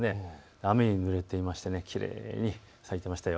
雨にぬれていてきれいに咲いていましたよ。